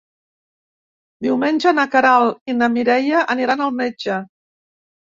Diumenge na Queralt i na Mireia aniran al metge.